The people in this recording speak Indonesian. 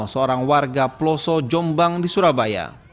seorang warga peloso jombang di surabaya